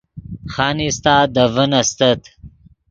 خانیستہ دے ڤین استت